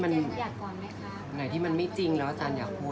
อันไหนที่มันไม่จริงแล้วอาจารย์อยากพูด